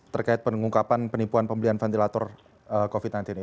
terkait pengungkapan penipuan pembelian ventilator covid sembilan belas ini